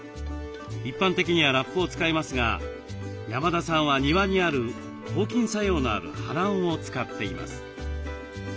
一般的にはラップを使いますが山田さんは庭にある抗菌作用のあるはらんを使っています。